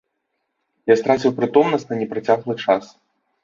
Я страціў прытомнасць на непрацяглы час.